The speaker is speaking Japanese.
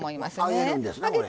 揚げるんですなこれ。